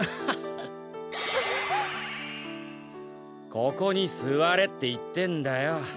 ここにすわれっていってんだよ。